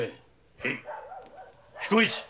おい彦一。